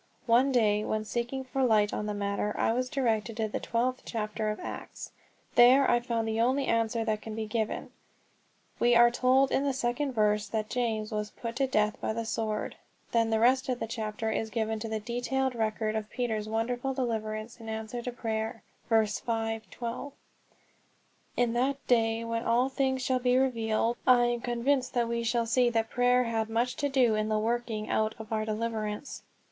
One day when seeking for light on the matter I was directed to the twelfth chapter of Acts. There I found the only answer that can be given. We are told in the second verse that James was put to death by the sword; then the rest of the chapter is given to the detailed record of Peter's wonderful deliverance in answer to prayer (vs. 5, 12). In that day when all things shall be revealed I am convinced we shall see that prayer had much to do in the working out of our deliverance.